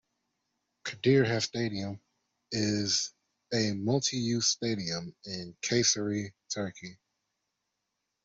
Kadir Has Stadium is a multi-use stadium in Kayseri, Turkey.